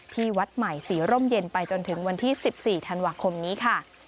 ที่วัดใหม่ศรีร่มเย็นไปจนถึงวันที่๑๔ธันวาคมนี้ค่ะ